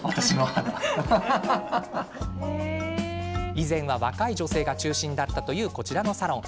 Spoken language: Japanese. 以前は若い女性が中心だったという、こちらのサロン。